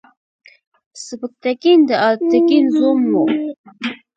سبکتګین د الپتکین زوم و.